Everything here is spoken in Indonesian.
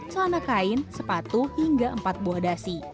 celana kain sepatu hingga empat buah dasi